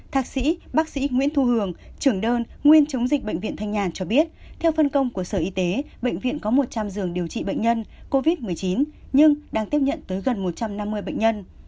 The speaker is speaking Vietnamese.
thạc sĩ bác sĩ nguyễn thu hường trưởng đơn nguyên chống dịch bệnh viện thanh nhàn cho biết theo phân công của sở y tế bệnh viện có một trăm linh giường điều trị bệnh nhân covid một mươi chín nhưng đang tiếp nhận tới gần một trăm năm mươi bệnh nhân